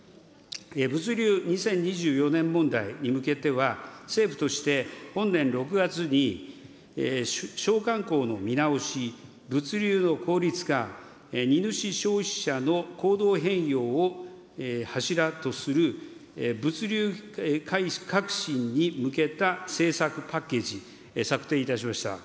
物流２０２４年問題に向けては、政府として本年６月に商慣行の見直し、物流の効率化、荷主消費者の行動変容を柱とする物流革新に向けた政策パッケージ、策定いたしました。